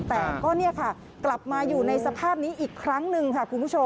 แต่ก็นี่ค่ะกลับมาอยู่ในสภาพนี้อีกครั้งหนึ่งค่ะ